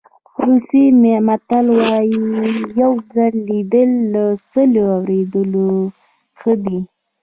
روسي متل وایي یو ځل لیدل له سل اورېدلو ښه دي.